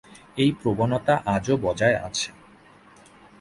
এই প্রবণতা আজও বজায় আছে।